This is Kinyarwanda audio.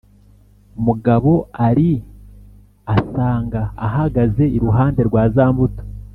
mugabo ari Asanga ahagaze iruhande rwa za mbuto